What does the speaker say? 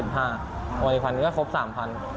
วันอีกวันนี้ก็ครบ๓๐๐๐บาท